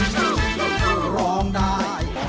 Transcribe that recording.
ร้องได้ร้องได้